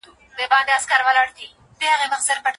له بلې خوا پښتنو په خپل ورځني ژوند کي نه یوازي